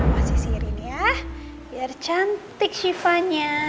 masih sirin ya biar cantik sivanya